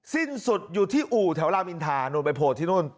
สิ้นสุดอยู่ที่อู่แถวรามอินทานู่นไปโผล่ที่นู่น